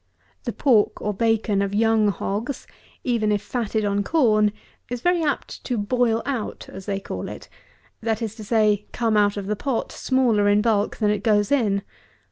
The pork or bacon of young hogs, even if fatted on corn, is very apt to boil out, as they call it; that is to say, come out of the pot smaller in bulk than it goes in.